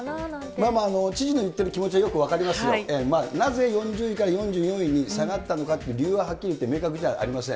まあまあ、知事の言ってる気持ちはよく分かりますよ、なぜ４０位から４４位に下がったのかっていう理由ははっきり言って明確じゃありません。